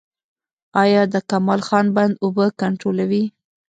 آیا د کمال خان بند اوبه کنټرولوي؟